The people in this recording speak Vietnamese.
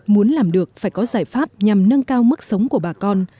muốn làm được phải có giải pháp nhằm nâng cao mức sống của bà con